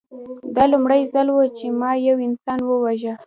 دا لومړی ځل و چې ما یو انسان وواژه